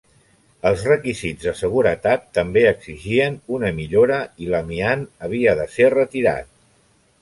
Els requisits de seguretat també exigien una millora i l'amiant havia de ser retirat.